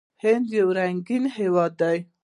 هند یو رنګین هیواد دی.